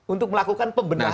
untuk melakukan pembendahan